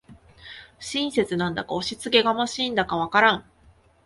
親切なんだか押しつけがましいんだかわからん